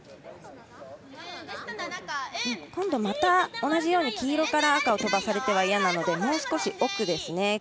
今度、また同じように黄色から赤を飛ばされては嫌なのでもう少し奥ですね。